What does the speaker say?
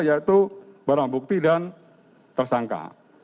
yaitu barang bukti dan tersangka